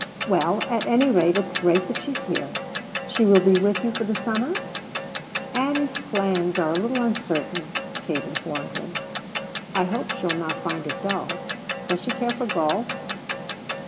Well, at any rate it's great that she's here. She will be with you for the summer?" "Ann's plans are a little uncertain," Kate informed him. "I hope she'll not find it dull. Does she care for golf?"